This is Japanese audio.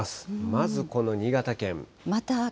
まずこの新潟県。